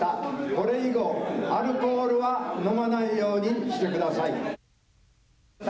これ以後、アルコールは飲まないようにしてください。